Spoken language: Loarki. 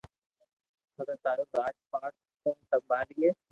پسو ٿارو راج پاٺ ڪوڻ سمڀالئي